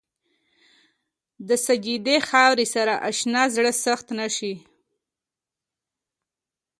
د سجدې خاورې سره اشنا زړه سخت نه شي.